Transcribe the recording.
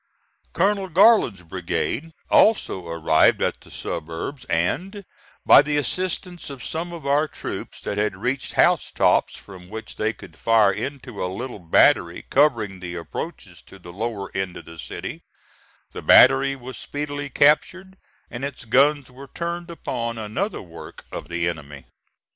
Colonel Garland's brigade also arrived at the suburbs, and, by the assistance of some of our troops that had reached house tops from which they could fire into a little battery covering the approaches to the lower end of the city, the battery was speedily captured and its guns were turned upon another work of the enemy.